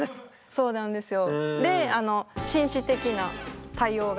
そうなんですよ。